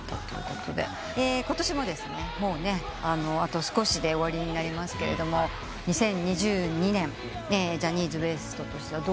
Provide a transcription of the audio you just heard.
ことしもあと少しで終わりになりますけれども２０２２年ジャニーズＷＥＳＴとしてはどういう年になったって感じ？